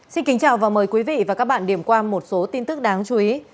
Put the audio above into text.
xin kính chào và mời quý vị và các bạn điểm qua một số tin tức đáng chú ý